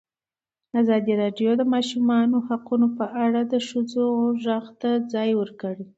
ازادي راډیو د د ماشومانو حقونه په اړه د ښځو غږ ته ځای ورکړی.